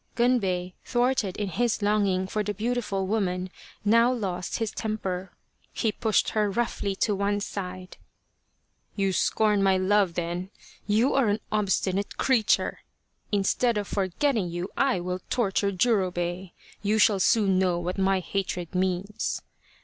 Gunbei, thwarted in his longing for the beautiful woman, now lost his temper. He pushed her roughly to one side :" You scorn my love then ? You are an obstinate 48 The Quest of the Sword creature ! Instead of forgetting you I will torture Jurobei. You shall soon know what my hatred means."